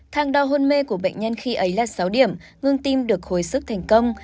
thang đo hôn mê của bệnh nhân khi ấy là sáu điểm ngừng tim được hồi sức thành công